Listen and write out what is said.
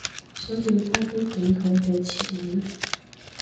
需要多啲本土嘅詞語